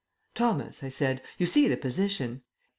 "Thomas," I said, "you see the position.